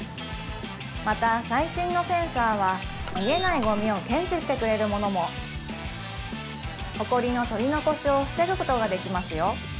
また最新のセンサーは見えないゴミを検知してくれるものもホコリの取り残しを防ぐことができますよ